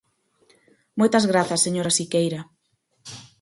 Moitas grazas, señora Siqueira.